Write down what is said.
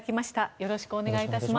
よろしくお願いします。